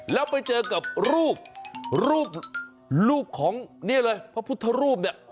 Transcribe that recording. แล้วไปเจอกับรูปรูปของเนี่ยเลยพระพุทธรูปเนี่ย